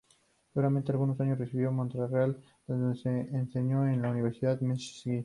Durante algunos años residió en Montreal, donde enseñó en la Universidad McGill.